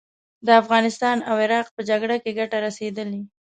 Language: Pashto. د افغانستان او عراق په جګړه کې ګټه رسېدلې.